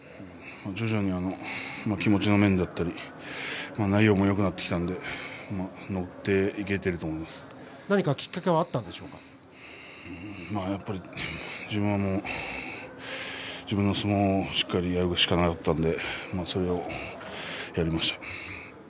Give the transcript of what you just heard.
徐々に気持ちの面だったり、内容もよくなってきたので何がきっかけは自分は自分の相撲をしっかりやるしかなかったのでそれをやりました。